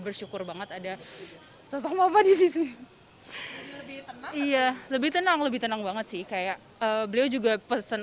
bersyukur banget ada sosok mama di sini lebih tenang lebih tenang banget sih kayak beliau juga pesen